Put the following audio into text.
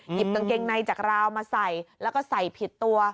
กางเกงในจากราวมาใส่แล้วก็ใส่ผิดตัว